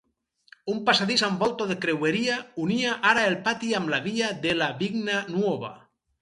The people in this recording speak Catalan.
Un passadís amb volta de creueria unia ara el pati amb la Via della Vigna Nuova.